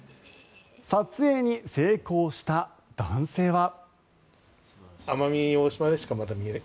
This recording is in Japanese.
撮影に成功した男性は。